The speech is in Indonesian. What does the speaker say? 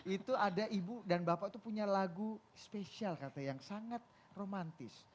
itu ada ibu dan bapak itu punya lagu spesial kata yang sangat romantis